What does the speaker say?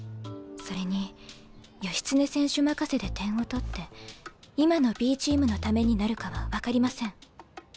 それに義経選手任せで点を取って今のＢチームのためになるかは分かりません。